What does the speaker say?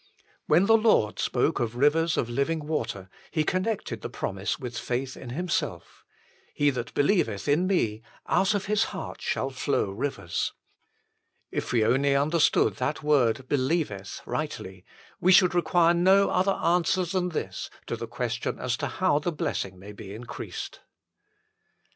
2 When the Lord spoke of " rivers of living water," He connected the promise with faith in Himself :" He that believeth in ME, out of his heart shall flow rivers." If we only understood that word " believeth " rightly, we 1 Col. i. 19. 2 2 Cor. i. 20. 118 THE FULL BLESSING OF PENTECOST should require no other answer than this to the question as to how the blessing may be in creased.